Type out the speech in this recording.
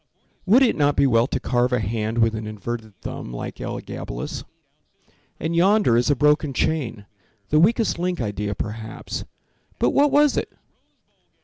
Would it not be well to carve a hand With an inverted thumb, like Elagabalus? And yonder is a broken chain, The weakest link idea perhaps— But what was it?